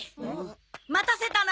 待たせたな！